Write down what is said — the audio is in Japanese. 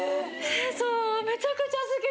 そうめちゃくちゃ好きで。